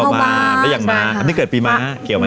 มาแล้วอย่างม้าอันนี้เกิดปีม้าเกี่ยวไหม